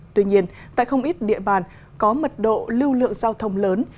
tuy nhiên tại không ít địa bàn có mật độ lưu lượng giao thông lớn